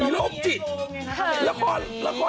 หลบจิตผลงานเราก็มีให้โครงอย่างนั้น